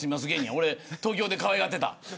俺が東京で、かわいがってた。